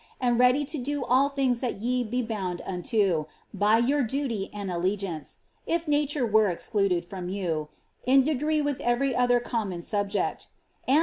and ready to do all things that ye be bound unto, by your duty and allegiance (if nature were ex* eluded from you), in degree with every other common subject. And.